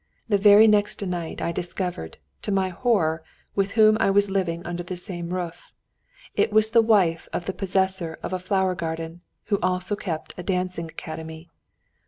The very next night I discovered, to my horror, with whom I was living under the same roof. It was the wife of the possessor of a flower garden, who also kept a dancing academy.